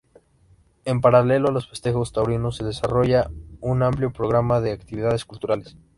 En paralelo a los festejos taurinos se desarrolla un amplio programa de actividades culturales.